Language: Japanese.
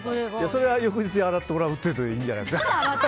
それは翌日洗ってもらうでいいんじゃないですか。